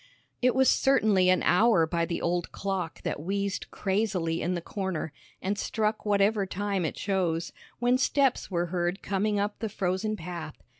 It was certainly an hour by the old clock that wheezed crazily in the corner, and struck whatever time it chose, when steps were heard coming up the frozen path.